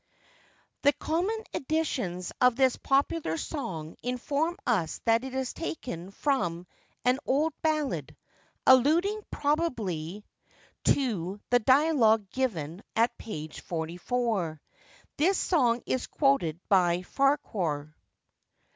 [THE common editions of this popular song inform us that it is taken 'from an Old Ballad,' alluding probably to the dialogue given at page 44. This song is quoted by Farquhar.